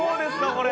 これ。